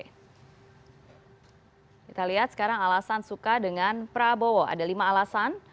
kita lihat sekarang alasan suka dengan prabowo ada lima alasan